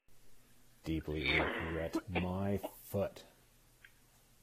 Deeply regret, my foot.